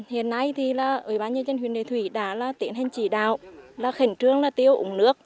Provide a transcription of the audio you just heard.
hiện nay ủy ban nhân dân huyện lệ thủy đã tiến hành chỉ đạo khẩn trương tiêu ủng nước